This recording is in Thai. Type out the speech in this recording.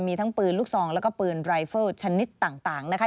มีทั้งปืนลูกซองแล้วก็ปืนรายเฟิลชนิดต่างนะคะ